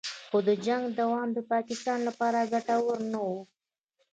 خو د جنګ دوام د پاکستان لپاره ګټور نه و